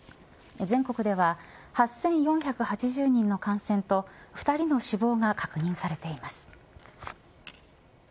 全国では８４８０人の感染と２人の死亡が確認されています。